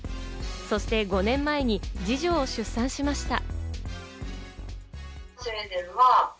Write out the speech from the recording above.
そして５年前に二女を出産しました。